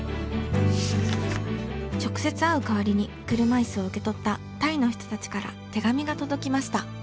直接会う代わりに車いすを受け取ったタイの人たちから手紙が届きました。